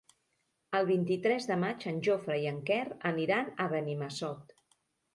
El vint-i-tres de maig en Jofre i en Quer aniran a Benimassot.